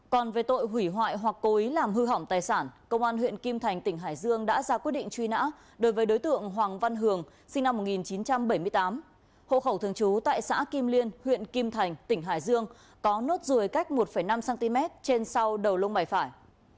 còn về tội hủy hoại hoặc cố ý làm hư hỏng tài sản công an huyện kim thành tỉnh hải dương đã ra quyết định truy nã đối với đối tượng hoàng văn hường sinh năm một nghìn chín trăm bảy mươi tám hộ khẩu thường trú tại xã kim liên huyện kim thành tỉnh hải dương có nốt ruồi cách một năm cm trên sau đầu lông mày phải